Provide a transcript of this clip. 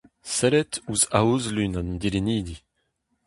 Sellet ouzh aozlun an dilennidi…